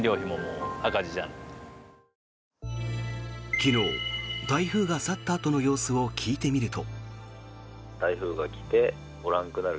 昨日、台風が去ったあとの様子を聞いてみると。